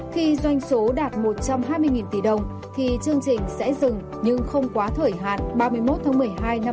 khi doanh số đạt một trăm hai mươi tỷ đồng thì chương trình sẽ dừng nhưng không quá thời hạn ba mươi một tháng một mươi hai năm hai nghìn hai mươi